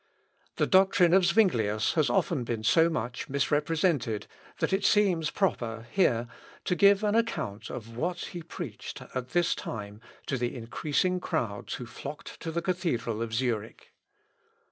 The doctrine of Zuinglius has often been so much misrepresented, that it seems proper here to give an account of what he preached at this time to the increasing crowds who flocked to the cathedral of Zurich.